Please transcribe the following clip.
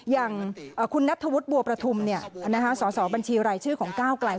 อย่างคุณนัทธวุฒิบัวประทุมสสบัญชีรายชื่อของก้าวไกล